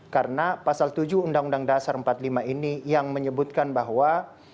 karena pasal tujuh uu dasar empat puluh lima ini yang menyebutkan bahwa